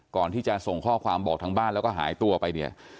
ก่อนที่จะส่งข้อความบอกทางบ้านแล้วก็หายตัวไปเนี่ย